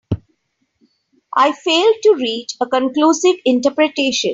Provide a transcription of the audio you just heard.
I failed to reach a conclusive interpretation.